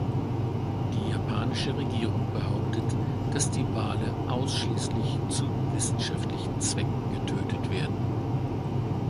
Die japanische Regierung behauptet, dass die Wale ausschließlich zu wissenschaftlichen Zwecken getötet werden.